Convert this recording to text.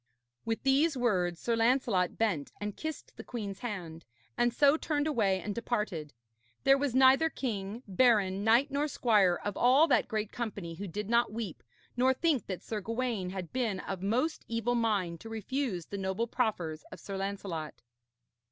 With these words Sir Lancelot bent and kissed the queen's hand, and so turned away and departed. There was neither king, baron, knight nor squire of all that great company who did not weep, nor think that Sir Gawaine had been of most evil mind to refuse the noble proffers of Sir Lancelot.